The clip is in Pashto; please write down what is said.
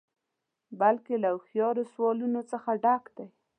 بلکې له هوښیارو سوالونو څخه ډک دی.